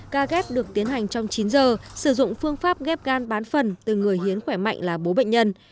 ca ghép được tiến hành trong chín giờ sử dụng phương pháp ghép gan bán phần từ người hiến khỏe mạnh là bố bệnh nhân